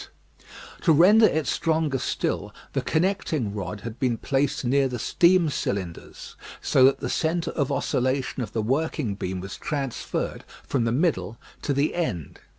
To render it stronger still, the connecting rod had been placed near the steam cylinders, so that the centre of oscillation of the working beam was transferred from the middle to the end.